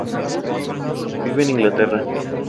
Vive en Inglaterra.